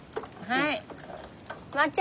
はい。